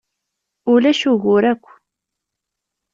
Ulac ugur akk.